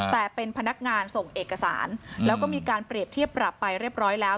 แต่เป็นพนักงานส่งเอกสารแล้วก็มีการเปรียบเทียบปรับไปเรียบร้อยแล้ว